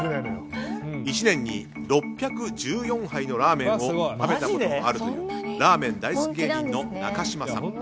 １年に６１４杯のラーメンを食べたことがあるというラーメン大好き芸人の中嶋さん。